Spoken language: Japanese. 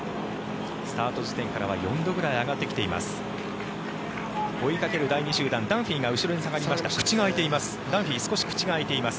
スタート時点からは４度ぐらい上がってきています。